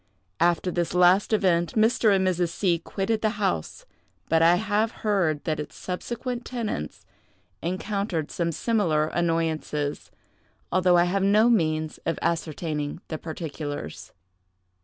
After this last event, Mr. and Mrs. C—— quitted the house; but I have heard that its subsequent tenants encountered some similar annoyances, although I have no means of ascertaining the particulars.